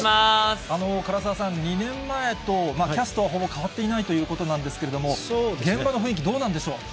唐沢さん、２年前とキャストはほぼ変わっていないということなんですけれども、現場の雰囲気どうなんでしょう？